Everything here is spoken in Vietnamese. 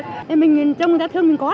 thế mình nhìn cho người ta thương mình có